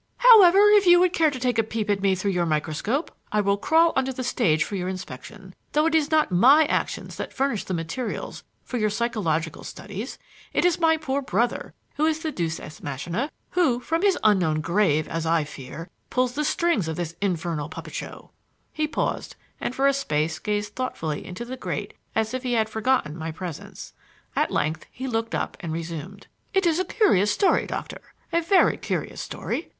"However, if you would care to take a peep at me through your microscope, I will crawl on to the stage for your inspection, though it is not my actions that furnish the materials for your psychological studies. It is my poor brother who is the Deus ex machina, who, from his unknown grave, as I fear, pulls the strings of this infernal puppet show." He paused and for a space gazed thoughtfully into the grate as if he had forgotten my presence. At length he looked up and resumed: "It is a curious story, Doctor a very curious story.